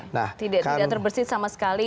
tidak terbersih sama sekali